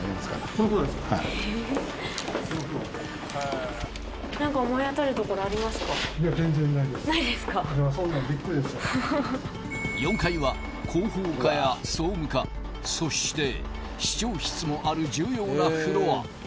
そんな４階は広報課や総務課そして市長室もある重要なフロア